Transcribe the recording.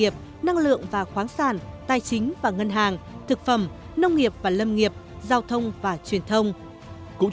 hiệp định khung về dịch vụ asean được ký kết